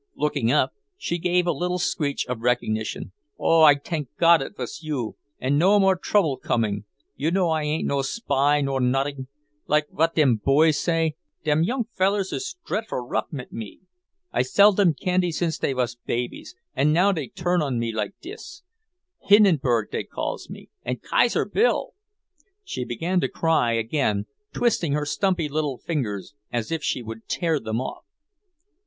Looking up, she gave a little screech of recognition. "Oh, I tank Gott it was you, and no more trouble coming! You know I ain't no spy nor nodding, like what dem boys say. Dem young fellers is dreadful rough mit me. I sell dem candy since dey was babies, an' now dey turn on me like dis. Hindenburg, dey calls me, and Kaiser Bill!" She began to cry again, twisting her stumpy little fingers as if she would tear them off.